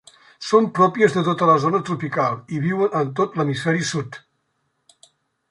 Són pròpies de tota la zona tropical, i viuen en tot l'hemisferi sud.